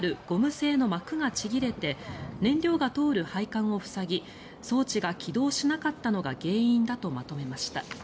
製の膜がちぎれて燃料が通る配管を塞ぎ装置が起動しなかったのが原因だとまとめました。